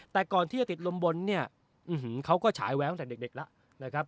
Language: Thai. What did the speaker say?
แต่ก่อนที่จะติดลมบนเนี่ยเขาก็ฉายแววตั้งแต่เด็กแล้วนะครับ